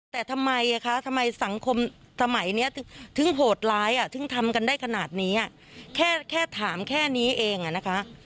แต่ทำไมคะทำไมสังคมสมัยนี้ถึงโหดร้ายถึงทำกันได้ขนาดนี้แค่ถามแค่นี้เองอะนะคะ